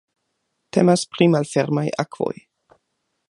Temas pri malfermaj akvoj.